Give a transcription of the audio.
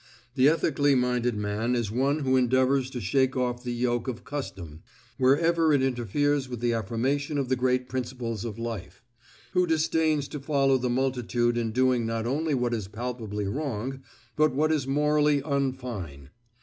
The ethically minded man is one who endeavors to shake off the yoke of custom, wherever it interferes with the affirmation of the great principles of life; who disdains to follow the multitude in doing not only what is palpably wrong, but what is morally unfine.